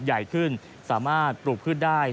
ใหญ่ขึ้นสามารถปลูกพืชได้